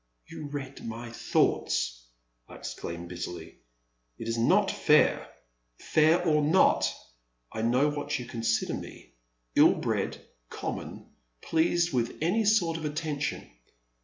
*' You read my thoughts,*' I exclaimed, bit terly— it is not fair Fair or not, I know what you consider me, — ill bred, common, pleased with any sort of at tention.